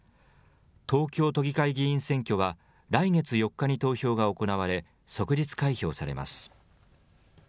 東京都議会議員選挙は来月４日に投票が行われ、即日開票されます。